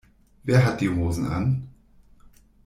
Wer hat die Hosen an?